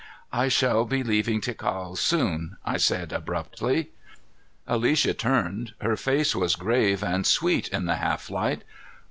"I shall be leaving Ticao soon," I said abruptly. Alicia turned. Her face was grave and sweet in the half light.